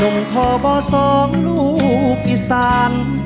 หนุ่มพ่อบ่อสองลูกอีสาน